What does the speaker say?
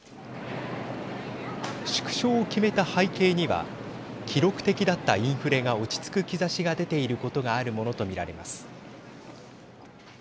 縮小を決めた背景には記録的だったインフレが落ち着く兆しが出ていることがあるものと見られます。